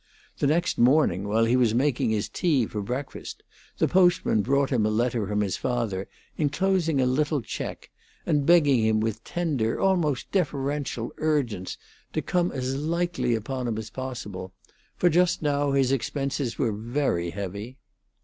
The next morning, while he was making his tea for breakfast, the postman brought him a letter from his father enclosing a little check, and begging him with tender, almost deferential, urgence to come as lightly upon him as possible, for just now his expenses were very heavy.